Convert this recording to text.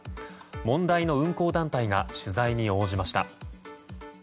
問題の運行団体が取材に応じました。